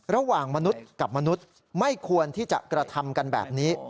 มนุษย์กับมนุษย์ไม่ควรที่จะกระทำกันแบบนี้